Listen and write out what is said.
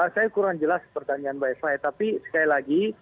saya kurang jelas pertanyaan mbak eva tapi sekali lagi